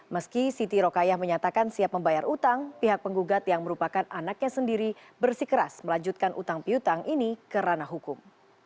meski siti rokayah menyatakan siap membayar utang pihak penggugat yang merupakan anaknya sendiri bersikeras melanjutkan utang piutang ini ke ranah hukum